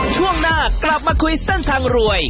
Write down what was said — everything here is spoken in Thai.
ช่วงหน้ากลับมาคุยเส้นทางรวย